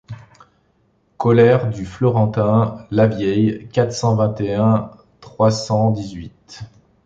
Cholère du Florentin Lavieille quatre cent vingt et un trois cent dix-huit.